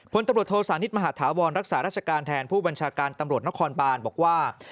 พลตำรวจโทษานิทมหาธาวรรักษาราชการแทนผู้บัญชาการตำรวจนครบานบอกว่า